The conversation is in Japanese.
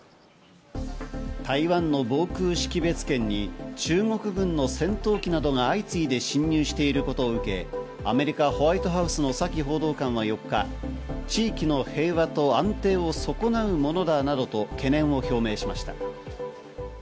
台湾の防空識別圏に中国軍の戦闘機などが相次いで侵入していることを受け、アメリカ・ホワイトハウスのサキ報道官は４日、地域の平和と安定を損なうものだなどと懸念を表明しました。